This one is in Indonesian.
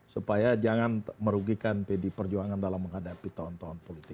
supaya jangan merugikan pd perjuangan dalam menghadapi tonton tonton